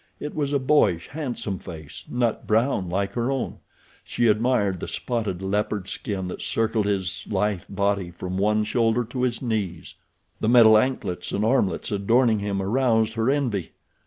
It was a boyish, handsome face, nut brown like her own. She admired the spotted leopard skin that circled his lithe body from one shoulder to his knees. The metal anklets and armlets adorning him aroused her envy.